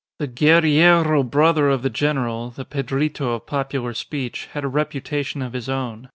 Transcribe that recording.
The guerrillero brother of the general the Pedrito of popular speech had a reputation of his own.